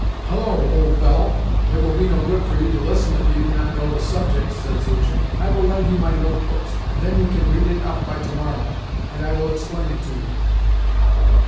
"Hullo, old fellow! It will be no good for you to listen if you do not know the subject," said Zuchin. "I will lend you my notebooks, and then you can read it up by to morrow, and I will explain it to you."